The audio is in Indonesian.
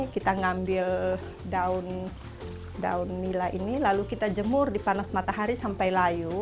kita ngambil daun daun nila ini lalu kita jemur di panas matahari sampai layu